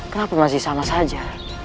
kenapa masih sama saja